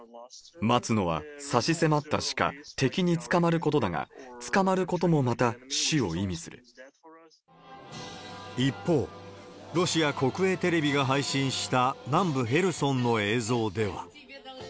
待つのは差し迫った死か、敵に捕まることだが、一方、ロシア国営テレビが配信した南部ヘルソンの映像では。